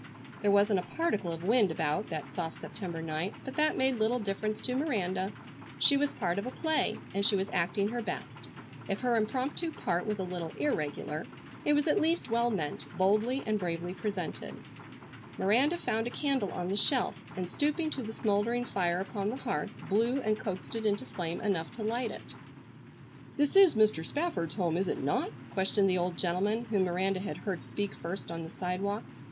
There wasn't a particle of wind about that soft September night, but that made little difference to Miranda. She was part of a play and she was acting her best. If her impromptu part was a little irregular, it was at least well meant, boldly and bravely presented. Miranda found a candle on the shelf and, stooping to the smouldering fire upon the hearth, blew and coaxed it into flame enough to light it. "This is Mr. Spafford's home, is it not?" questioned the old gentleman whom Miranda had heard speak first on the sidewalk.